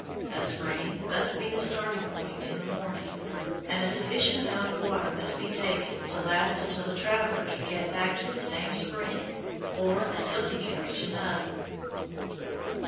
A spring must be the starting point in the morning, and a sufficient amount of water must be taken to last until the traveller can get back to the same spring or until he can reach another.